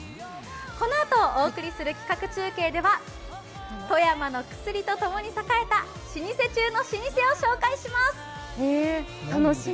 このあとお送りする企画中継では富山の薬とともに栄えた老舗中の老舗を紹介します。